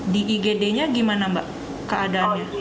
di igd nya gimana mbak keadaannya